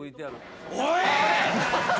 おい！